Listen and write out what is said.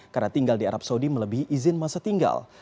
karena tinggal di arab saudi melebihi izin masa tinggal